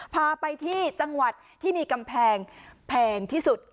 พาไปที่จังหวัดที่มีกำแพงแพงที่สุด